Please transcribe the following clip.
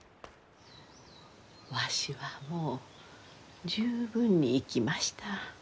わしはもう十分に生きました。